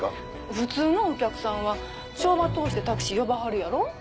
普通のお客さんは帳場通してタクシー呼ばはるやろ？